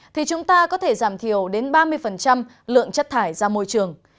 thì chúng ta có thể giảm thiểu đến ba mươi lượng chất thải ra môi trường